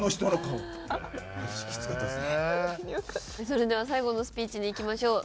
それでは最後のスピーチにいきましょう。